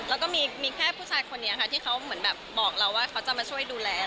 แล้วก็มีแค่ผู้ชายคนนี้ค่ะที่เขาเหมือนแบบบอกเราว่าเขาจะมาช่วยดูแล